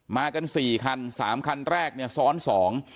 มากันสี่คันสามคันแรกเนี่ยซ้อนสอง